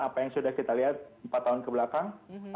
apa yang sudah kita lihat empat tahun ke belakang